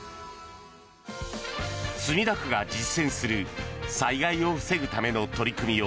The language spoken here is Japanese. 墨田区が実践する災害を防ぐための取り組みを